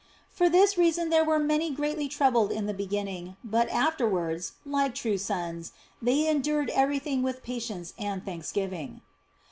For this reason there were many greatly troubled in the beginning, but afterwards, like true sons, they endured everything with patience and thanksgiving.